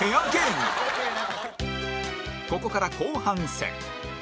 ここから後半戦